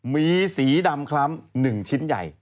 มีสีดำคล้ำ๑ชิ้นใหญ่